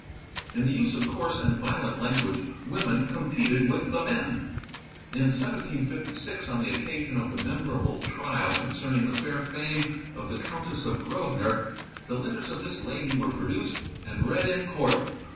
In the use of coarse and violent language women competed with the men. In 1756 on the occasion of the memorable trial concerning the fair fame of the Countess of Grosvenor, the letters of this lady were produced and read in court.